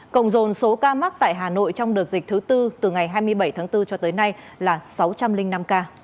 cộng dồn số ca mắc tại hà nội trong đợt dịch thứ tư từ ngày hai mươi bảy tháng bốn cho tới nay là sáu trăm linh năm ca